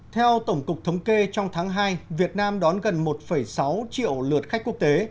theo tổng cục thống kê trong tháng hai việt nam đón gần một sáu triệu lượt khách quốc tế